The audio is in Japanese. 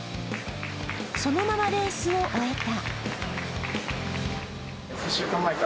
そのままレースを終えた。